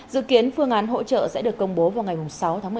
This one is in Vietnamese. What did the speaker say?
dự kiến phương án hỗ trợ sẽ được công bố vào ngày sáu tháng một mươi